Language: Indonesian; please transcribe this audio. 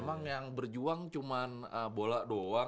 emang yang berjuang cuma bola doang